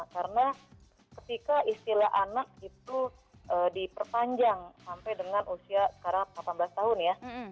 karena ketika istilah anak itu diperpanjang sampai dengan usia sekarang delapan belas tahun ya